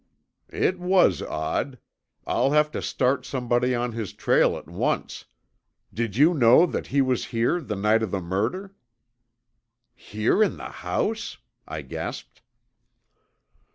"It was odd. I'll have to start somebody on his trail at once. Did you know that he was here the night of the murder?" "Here in the house?" I gasped.